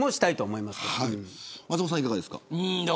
松本さん、いかがですか。